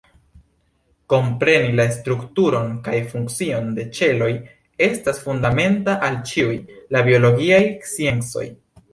Kompreni la strukturon kaj funkcion de ĉeloj estas fundamenta al ĉiuj la biologiaj sciencoj.